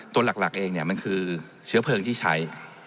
ตัวหลักเองมันคือเชื้อเพลิงที่ใช้